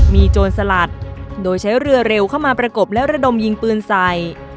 มีโจรสลัดโดยใช้เรือเร็วเข้ามาประกบและระดมยิงปืนใส่